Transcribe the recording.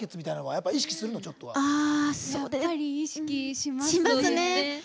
やっぱり意識しますね。